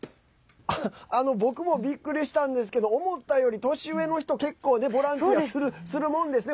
僕もびっくりしたんですけど思ったより年上の人結構ボランティアするもんですね。